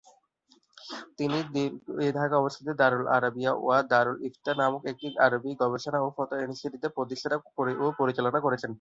তিনি ঢাকায় অবস্থিত "দারুল-আরবিয়া ওয়া দারুল-ইফতা" নামে একটি আরবি-গবেষণা এবং ফতোয়া ইনস্টিটিউট প্রতিষ্ঠা ও পরিচালনা করেছেন।